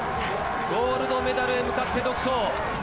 ゴールドメダルへ向かって独走。